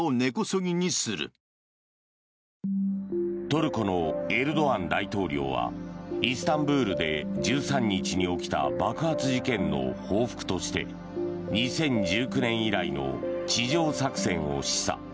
トルコのエルドアン大統領はイスタンブールで１３日に起きた爆発事件の報復として２０１９年以来の地上作戦を示唆。